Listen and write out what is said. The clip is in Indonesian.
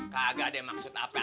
kagak deh maksud apa apa bang